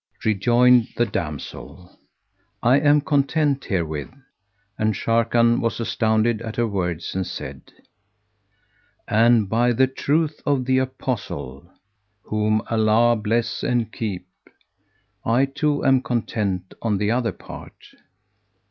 Rejoined the damsel, "I am content herewith!" and Sharrkan was astounded at her words and said, "And by the truth of the Apostle (whom Allah bless and keep!) I too am content on the other part!"